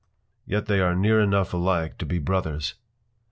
Yet they are near enough alike to be brothers.